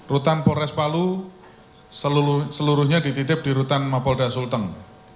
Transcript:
rutan polres palu seluruhnya dititip di rutan mapolda sulteng